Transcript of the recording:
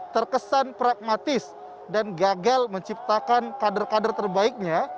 terkesan pragmatis dan gagal menciptakan kader kader terbaiknya